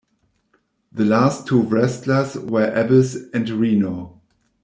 The last two wrestlers were Abyss and Rhino.